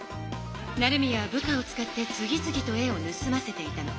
成宮は部下を使って次つぎと絵をぬすませていたの。